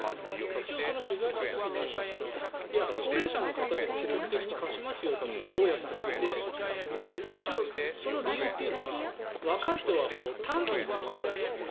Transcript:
一応、取材した時に高齢者の方でも積極的に貸しますよという大家さんもいて一応、その理由というのは若い人は短期に回ると。